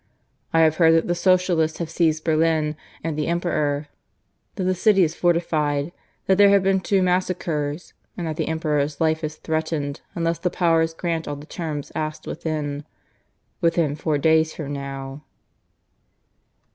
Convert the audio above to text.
"I have heard that the Socialists have seized Berlin and the Emperor; that the city is fortified; that there have been two massacres; and that the Emperor's life is threatened unless the Powers grant all the terms asked within ... within four days from now."